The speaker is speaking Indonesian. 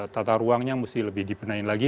tata ruangnya mesti lebih dibenahin lagi